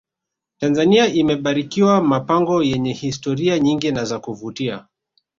tanzania imebarikiwa mapango yenye historia nyingi na za kuvutia